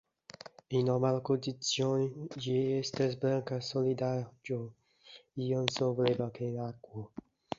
En normalaj kondiĉoj ĝi estas blanka solidaĵo iom solvebla en akvo.